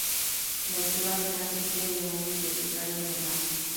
La altura apenas excede de un bibliotecario normal.